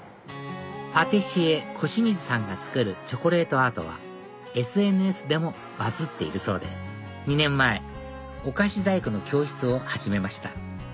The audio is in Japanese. パティシエ小清水さんが作るチョコレートアートはＳＮＳでもバズっているそうで２年前お菓子細工の教室を始めました